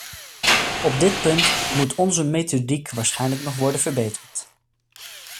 Op dit punt moet onze methodiek waarschijnlijk nog worden verbeterd.